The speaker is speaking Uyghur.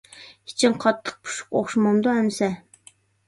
ئىچىڭ قاتتىق پۇشۇق ئوخشىمامدۇ ئەمىسە.